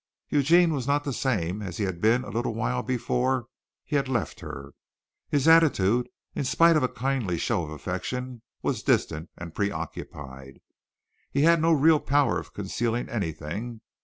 Eugene was not the same as he had been a little while before he had left her. His attitude, in spite of a kindly show of affection, was distant and preoccupied. He had no real power of concealing anything.